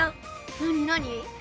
何何？